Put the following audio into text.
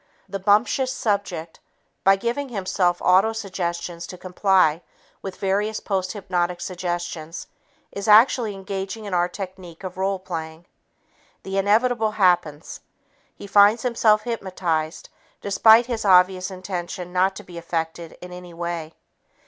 The bumptious subject, by giving himself autosuggestions to comply with various posthypnotic suggestions, is actually engaging in our technique of role playing. The inevitable happens. He finds himself hypnotized despite his obvious intention not to be affected in any way.